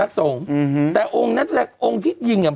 สำนักสงค์ฮือฮือแต่องค์นั่นแหละองค์ที่ยิงอะ